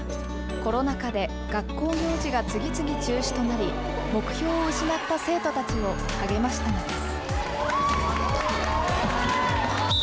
コロナ禍で学校行事が次々中止となり、目標を失った生徒たちを励ましたのです。